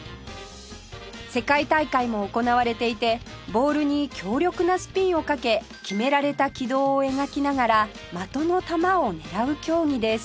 世界大会も行われていてボールに強力なスピンをかけ決められた軌道を描きながら的の球を狙う競技です